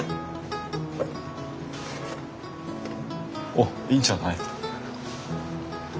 おっいいんじゃない。